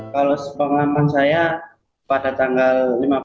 kalau pengalaman saya pada tanggal lima belas